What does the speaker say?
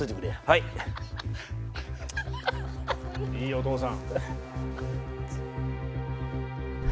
いいお父さん。